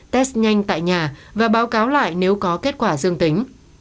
test nhanh tại nhà và báo cáo lại nếu có kết quả dương tính